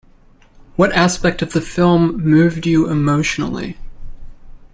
What aspect of the film moved you emotionally?